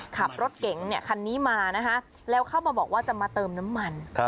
ขับรถเก๋งคันนี้มานะคะแล้วเข้ามาบอกว่าจะมาเติมน้ำมัน